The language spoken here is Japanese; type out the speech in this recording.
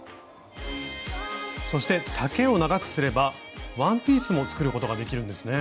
そして丈を長くすればワンピースも作ることができるんですね。